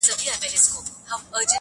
په ټوله ورځ مي ایله وګټله وچه ډوډۍ -